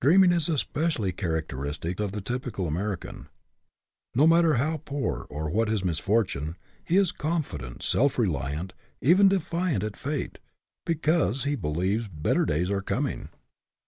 Dreaming is especially characteristic of the typical American. No matter how poor, or what his misfortune, he is confident, self reliant, even defiant at fate, because he believes better days are coming.